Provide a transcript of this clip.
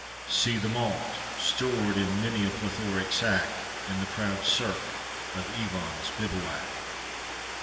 See the malt, stored in many a plethoric sack, In the proud cirque of Ivan's bivouac.